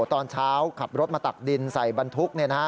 ตอนเช้าขับรถมาตักดินใส่บรรทุก